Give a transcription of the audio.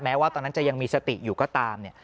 แม้ว่าตอนนั้นจะยังมีสติอยู่ก็ตาม